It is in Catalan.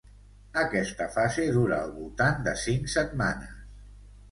Aquesta fase dura al voltant de cinc setmanes.